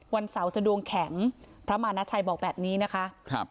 วันเสาร์จะดวงแข็งพระมานาชัยบอกแบบนี้นะคะครับ